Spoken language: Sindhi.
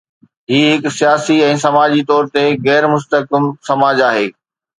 هي هڪ سياسي ۽ سماجي طور تي غير مستحڪم سماج آهي.